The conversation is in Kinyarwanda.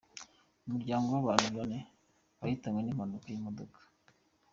Umuryango w’abantu Bane wahitanwe n’impanuka y’imodoka